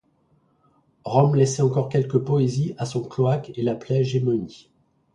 Rome laissait encore quelque poésie à son cloaque et l'appelait Gémonies.